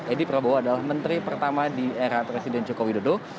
edi prabowo adalah menteri pertama di era presiden joko widodo